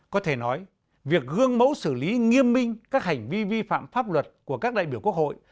có thể nói việc gương mẫu xử lý nghiêm minh các hành vi vi phạm pháp luật của các đại biểu quốc hội